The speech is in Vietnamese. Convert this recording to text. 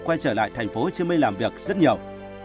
quay trở lại tp hcm làm việc rất nhiều